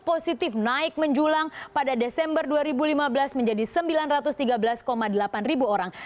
positif naik menjulang pada desember dua ribu lima belas menjadi sembilan ratus tiga belas delapan ribu orang